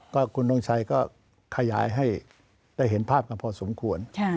คุณทงชัยก็ขยายให้ได้เห็นภาพกันพอสมควร